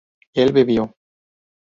él bebió